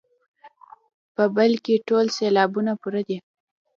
په بل کې ټول سېلابونه پوره دي.